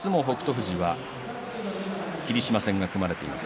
富士は霧島戦が組まれています。